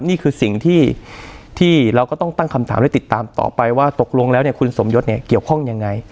นี่คือสิ่งที่เราก็ต้องตั้งคำถามและติดตามต่อไปว่าตกลงแล้วเนี่ยคุณสมยศเนี่ยเกี่ยวข้องยังไง